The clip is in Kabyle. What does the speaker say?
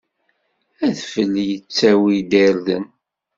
Adfel yettttawi-d irden.